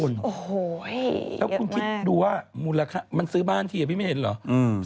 โอ้โหแล้วคุณคิดดูว่ามูลค่ามันซื้อบ้านทีอ่ะพี่ไม่เห็นเหรอ